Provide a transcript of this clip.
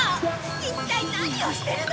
一体何をしてるの！